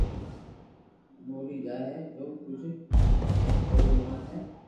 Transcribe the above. ٻولي جائي ھي جو ڪوجھ ھير رو نوم ھي